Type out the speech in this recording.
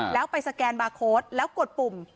แล้วไปสแกนบาร์โค้ดแล้วกดปุ่ม